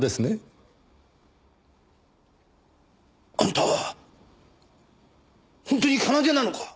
あんた本当に奏なのか？